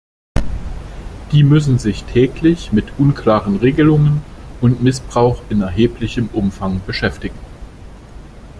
Die müssen sich täglich mit unklaren Regelungen und Missbrauch in erheblichem Umfang beschäftigen.